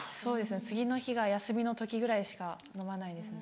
次の日が休みの時ぐらいしか飲まないですね。